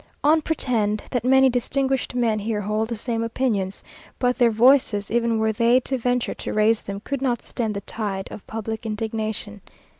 On pretend that many distinguished men here hold the same opinions, but their voices, even were they to venture to raise them, could not stem the tide of public indignation.